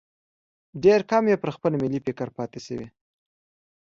ډېر کم یې پر خپل ملي فکر پاتې شوي.